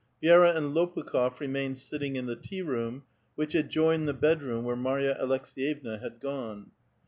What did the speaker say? Vi^ra and Lopukh6f re mained sitting in the tea room, which adjoined the bed room where Mai ya Aleks^yevna had gone.